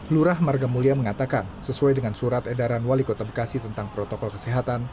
lurah marga mulia mengatakan sesuai dengan surat edaran wali kota bekasi tentang protokol kesehatan